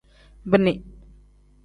Bini.